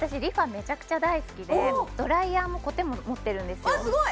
めちゃくちゃ大好きでドライヤーもコテも持ってるんですよあっすごい！